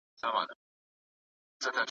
د ازادۍ پلويان د فردي حقونو په اړه څه وايي؟